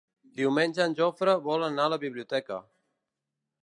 Diumenge en Jofre vol anar a la biblioteca.